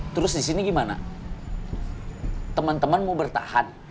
terus di sini gimana temen temen mau bertahan